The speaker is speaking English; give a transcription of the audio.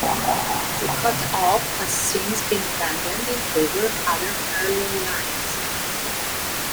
The cutoff has since been abandoned in favor of other parallel lines.